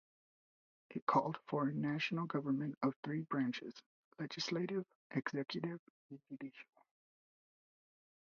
It called for a national government of three branches: legislative, executive, and judicial.